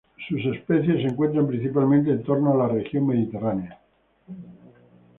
Sus especies se encuentran principalmente en torno a la región mediterránea.